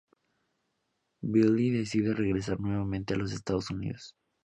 Billy decide regresar nuevamente a los Estados Unidos.